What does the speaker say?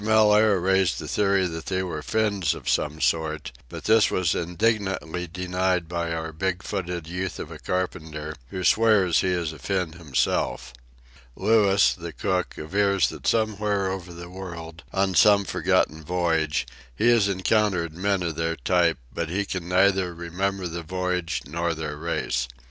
Mellaire raised the theory that they were Finns of some sort, but this was indignantly denied by our big footed youth of a carpenter, who swears he is a Finn himself. Louis, the cook, avers that somewhere over the world, on some forgotten voyage, he has encountered men of their type; but he can neither remember the voyage nor their race.